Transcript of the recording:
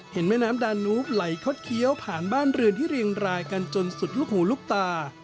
แม่น้ำดานูฟไหลคดเคี้ยวผ่านบ้านเรือนที่เรียงรายกันจนสุดลูกหูลูกตา